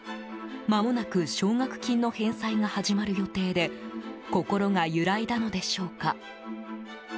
まもなく奨学金の返済が始まる予定で心が揺らいだのでしょうか。